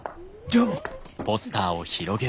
ジョーも。